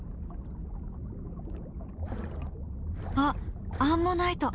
あっアンモナイト。